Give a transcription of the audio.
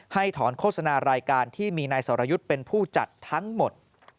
ให้ถอนโฆษณารายการที่มีนายสรยุทธ์เป็นผู้จัดทั้งหมด